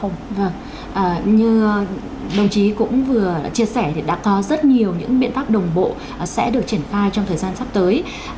vâng như đồng chí cũng vừa chia sẻ thì đã có rất nhiều những biện pháp đồng bộ sẽ được triển khai trong thời gian sắp tới